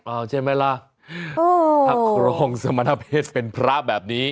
เอาใช่ไหมล่ะถ้าครองสมณเพศเป็นพระแบบนี้